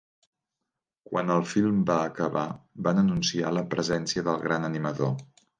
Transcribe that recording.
Quan el film va acabar, van anunciar la presència del gran animador.